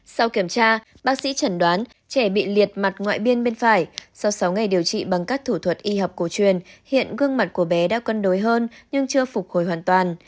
sau kiểm tra bác sĩ chẩn đoán trẻ bị liệt mặt ngoại biên bên phải sau sáu ngày điều trị bằng các thủ thuật y học cổ truyền hiện gương mặt của bé đã cân đối hơn nhưng chưa phục hồi hoàn toàn